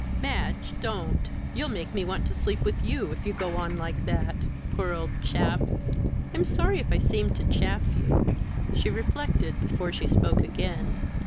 "Madge, don't! You'll make me want to sleep with you if you go on like that. Poor old chap! I'm sorry if I seemed to chaff you." She reflected before she spoke again.